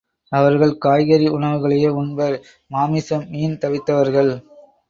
அவர்கள் காய்கறி உணவுகளையே உண்பர் மாமிசம் மீன் தவிர்த்தவர்கள்.